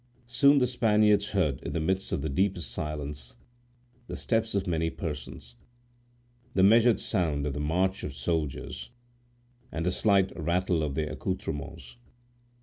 Soon the Spaniards heard, in the midst of the deepest silence, the steps of many persons, the measured sound of the march of soldiers, and the slight rattle of their accoutrements.